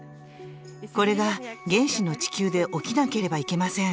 これが原始の地球で起きなければいけません。